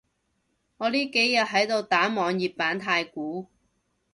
我呢幾日喺度打網頁版太鼓